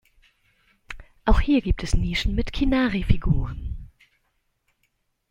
Auch hier gibt es Nischen mit Kinnari-Figuren.